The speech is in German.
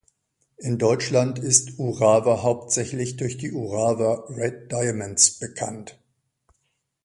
In Deutschland ist Urawa hauptsächlich durch die Urawa Red Diamonds bekannt.